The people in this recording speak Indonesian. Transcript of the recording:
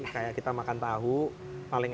kayak kita makan tahu paling